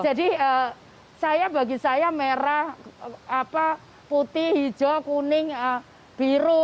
jadi bagi saya merah putih hijau kuning biru